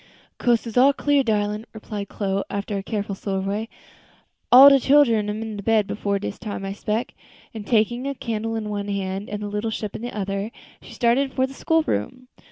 "Coast all clear, darlin'," replied Chloe, after a careful survey; "all de chillens am in bed before dis time, I spec." And taking a candle in one hand and the little ship in the other, she started for the school room.